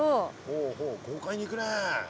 ほうほう豪快にいくねえ。